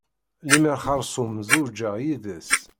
Lemer xeṛṣum zewǧeɣ yid-s.